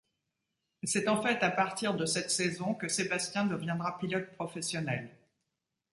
C’est en fait à partir de cette saison que Sébastien deviendra pilote professionnel.